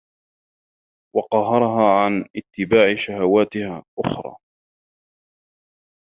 وَقَهْرَهَا عَنْ اتِّبَاعِ شَهَوَاتِهَا أَحْرَى